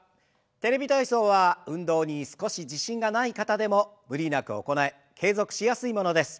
「テレビ体操」は運動に少し自信がない方でも無理なく行え継続しやすいものです。